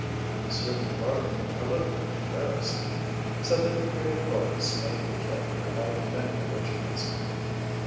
M. Faubourg, a little embarrassed, said that a creative artist made a character out of many originals.